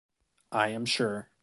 I am sure.